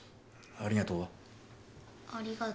ありがとう。